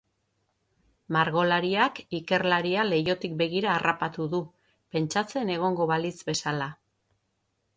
Margolariak ikerlaria leihotik begira harrapatu du, pentsatzen egongo balitz bezala.